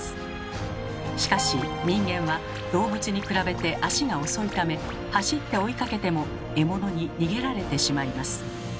しかし人間は動物に比べて足が遅いため走って追いかけても獲物に逃げられてしまいます。